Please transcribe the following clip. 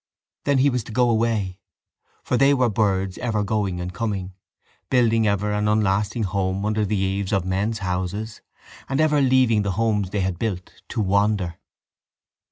Then he was to go away for they were birds ever going and coming, building ever an unlasting home under the eaves of men's houses and ever leaving the homes they had built to wander.